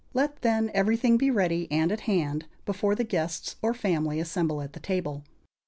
Let, then, everything be ready and at hand, before the guests or family assemble at the table.